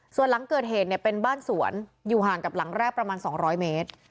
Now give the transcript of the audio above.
ส่วนหลังเกิดเหตุเนี่ยเป็นบ้านสวนอยู่ห่างกับหลังแรกประมาณ๒๐๐เมตร